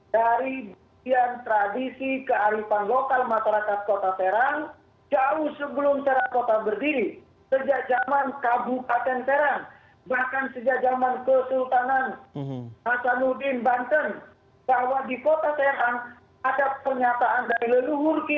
dari budian tradisi kearifan lokal masyarakat kota serang jauh sebelum serang kota berdiri